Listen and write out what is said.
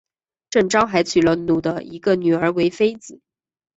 郑昭还娶了努的一个女儿为妃子。